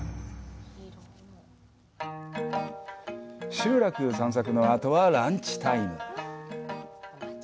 集落散策の後は、ランチタイム。